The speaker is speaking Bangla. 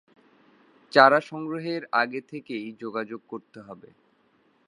চারা সংগ্রহের আগে থেকেই যোগাযোগ করতে হবে।